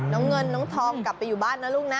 น้องเงินน้องทองกลับไปอยู่บ้านนะลูกนะ